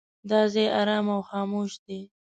دا ځای ارام او خاموش دی.